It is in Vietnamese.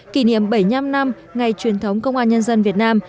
kỷ niệm bảy mươi năm năm ngày truyền thống công an nhân dân việt nam